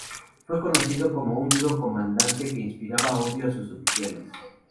Fue conocido como un duro comandante que inspiraba odio a sus oficiales.